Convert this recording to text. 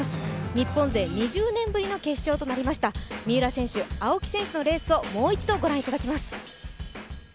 日本勢２０年ぶりの決勝となりました、三浦選手、青木選手のレースをもう一度ご覧いただきます。